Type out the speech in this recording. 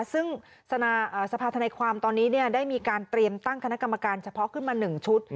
ซึ่งสภาธนาความตอนนี้ได้มีการเตรียมตั้งคณะกรรมการเฉพาะขึ้นมา๑ชุด